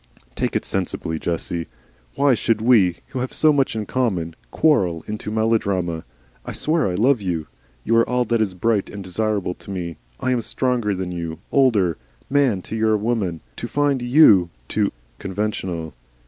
"Take it sensibly, Jessie. Why should we, who have so much in common, quarrel into melodrama? I swear I love you. You are all that is bright and desirable to me. I am stronger than you, older; man to your woman. To find YOU too conventional!"